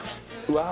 うわ